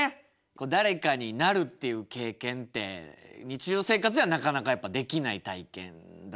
誰かになるっていう経験って日常生活ではなかなかやっぱできない体験だと思うんですけど。